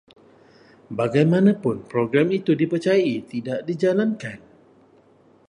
Bagaimanapun, program itu dipercayai tidak dijalankan